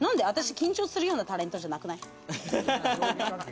私、緊張するようなタレントじゃなくない？